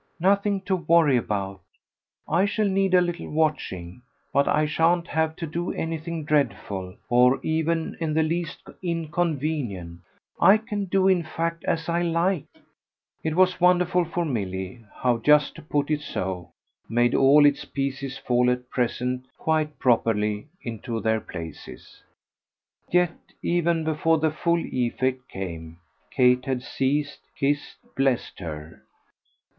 "Nothing to worry about. I shall need a little watching, but I shan't have to do anything dreadful, or even in the least inconvenient. I can do in fact as I like." It was wonderful for Milly how just to put it so made all its pieces fall at present quite properly into their places. Yet even before the full effect came Kate had seized, kissed, blessed her.